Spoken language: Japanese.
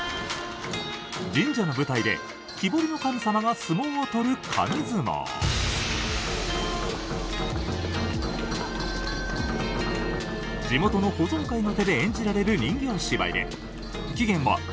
神社の舞台で木彫りの神様が相撲を取る地元の保存会の手で演じられる人形芝居で起源は奈良時代とされています。